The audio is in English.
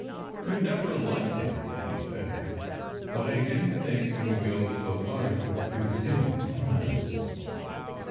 "You never liked him," she said, "but I didn t think you would go so far as to accuse him of crimes.